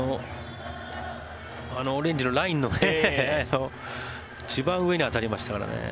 オレンジのラインの一番上に当たりましたからね。